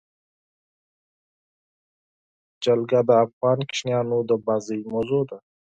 جلګه د افغان ماشومانو د لوبو موضوع ده.